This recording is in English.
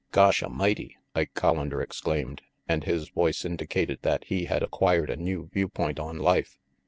"Gosh A'mighty!" Ike Collander exclaimed, and his voice indicated that he had acquired a new view point on life.